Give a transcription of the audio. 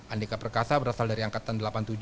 andika perkasa berasal dari angkatan delapan puluh tujuh